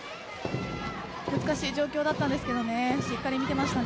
難しい状況だったんですけどねしっかり見ていましたね。